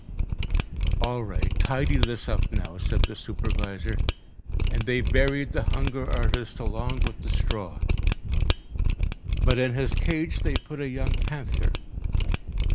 "All right, tidy this up now," said the supervisor. And they buried the hunger artist along with the straw. But in his cage they put a young panther.